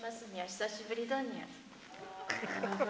久しぶりだニャ。